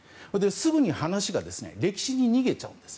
すぐに話が歴史に逃げちゃうんです。